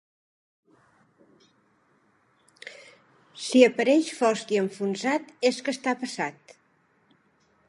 Si apareix fosc i enfonsat, és que està passat.